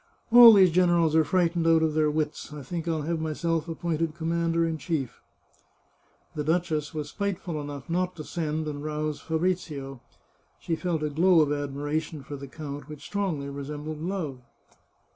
All these generals are frightened out of their wits ; I think I'll have myself appointed commander in chief." The duchess was spiteful enough not to send and rouse Fabrizio. She felt a glow of admiration for the count, which strongly resembled love.